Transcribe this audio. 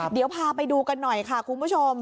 เดี๋ยวพาไปดูกันหน่อยค่ะคุณผู้ชม